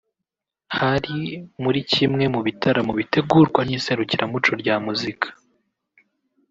Hari muri kimwe mu bitaramo bitegurwa n’Iserukiramuco rya muzika